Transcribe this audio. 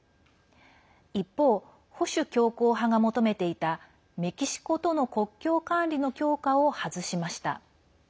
一方、保守強硬派が求めていたメキシコとの国境管理の強化を外しました。